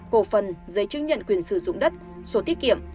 cổ phần giấy chứng nhận quyền sử dụng đất sổ tiết kiệm